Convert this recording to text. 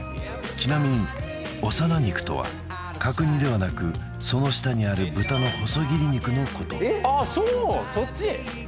ちなみに幼肉とは角煮ではなくその下にある豚の細切り肉のことあっそうそっち？